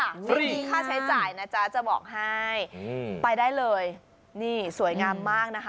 ไม่มีค่าใช้จ่ายนะจ๊ะจะบอกให้ไปได้เลยนี่สวยงามมากนะคะ